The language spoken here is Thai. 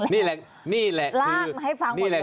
นี่แหละนี่แหละคือลากมาให้ฟังหมดเลย